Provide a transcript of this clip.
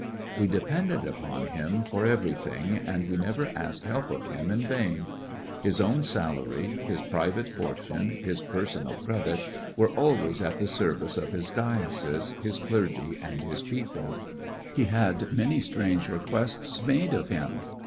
We depended upon him for everything, and Fromding we never asked help of him in vain. His own ^ l^fk salary, his private fortune, his personal credit, were always at the service of his diocesCj his clergyj and his people He had many strange requests made of him.